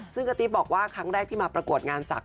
ซึ่งกระติ๊บบอกว่าครั้งแรกที่มาประกวดงานศักดิ